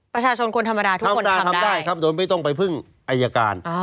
ประชาชนคนธรรมดาทุกคนธรรมดาทำได้ครับโดยไม่ต้องไปพึ่งอายการ